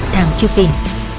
thàng trương phìn